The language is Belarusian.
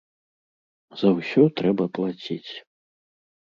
За ўсё трэба плаціць.